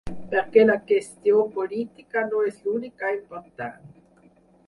Per què la qüestió política no és l’única important.